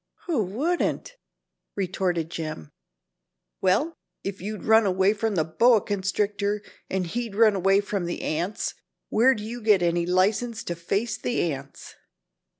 "Who wouldn't," retorted Jim. "Well, if you'd run away from the boa constrictor, and he'd run away from the ants, where do you get any license to face the ants."